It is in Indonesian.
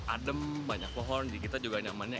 adem banyak pohon kita juga nyamannya